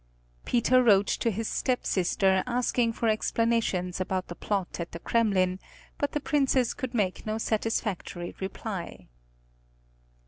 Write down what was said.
Peter wrote to his stepsister asking for explanations about the plot at the Kremlin, but the Princess could make no satisfactory reply.